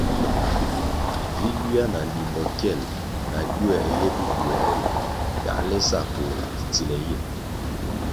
Vi ywia na limbo kyel, na gywē ye biduē ri, kale sa koh tsile ye.